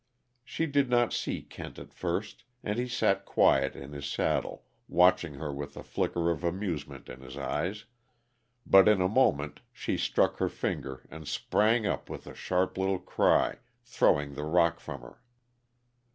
She did not see Kent at first, and he sat quiet in the saddle, watching her with a flicker of amusement in his eyes; but in a moment she struck her finger and sprang up with a sharp little cry, throwing the rock from her.